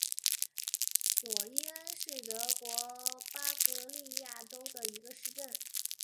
索伊恩是德国巴伐利亚州的一个市镇。